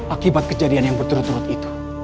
akibat kejadian yang berturut turut itu